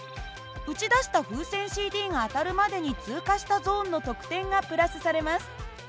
撃ち出した風船ＣＤが当たるまでに通過したゾーンの得点がプラスされます。